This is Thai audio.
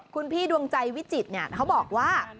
คุณพี่ดวงใจวิจิตรเขาบอกว่า